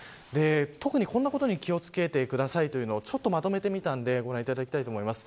特にこんなことに気を付けてくださいというのをまとめてみたのでご覧いただきたいと思います。